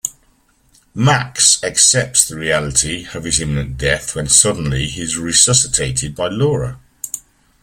Max accepts the reality of his imminent death when suddenly he's resuscitated by Laura.